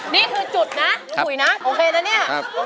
นี่คือจุดนะพี่อุ๋ยนะโอเคนะเนี่ย